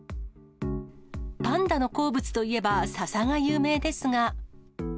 パンダの好物といえばささが有名ですが。